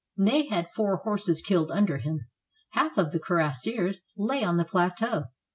Ney had four horses killed under him. Half of the cuirassiers lay on the plateau.